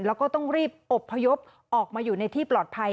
แล้วก็ต้องรีบอบพยพออกมาอยู่ในที่ปลอดภัย